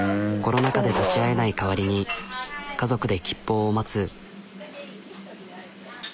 コロナ禍で立ち会えない代わりに家族で吉報を待つ。